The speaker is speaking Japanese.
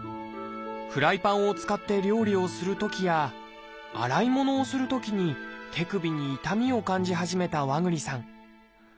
フライパンを使って料理をするときや洗い物をするときに手首に痛みを感じ始めた和栗さん。